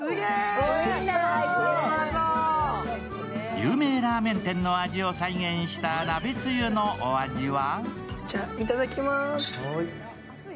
有名ラーメン店の味を再現した、鍋つゆのお味は？